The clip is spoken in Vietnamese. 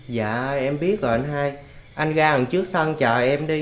dạ em biết rồi anh hai anh ra đằng trước sân chờ em đi